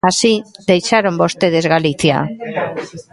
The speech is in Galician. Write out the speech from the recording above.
Así deixaron vostedes Galicia.